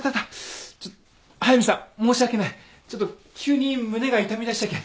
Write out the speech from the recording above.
ちょっと急に胸が痛みだしたけん。